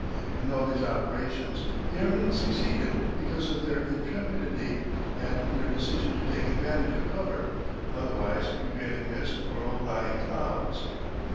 In all these operations the airmen succeeded because of their intrepidity and their decision to take advantage of cover, otherwise a prevailing mist or low lying clouds.